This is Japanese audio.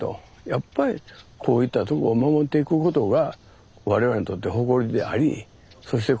やっぱりこういったとこを守っていくことが我々にとって誇りでありそして